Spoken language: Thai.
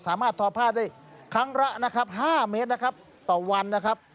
สามารถทอพ่าได้ครั้งละ๕เมตรนะครับต่อวันนะครับ